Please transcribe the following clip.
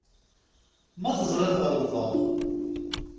Ma teẓriḍ ɣelḍeɣ.